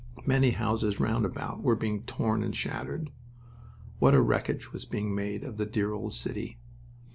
Many houses round about were being torn and shattered. What a wreckage was being made of the dear old city!